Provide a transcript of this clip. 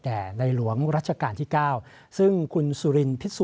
แด่ในหลวงราชกาลที่๙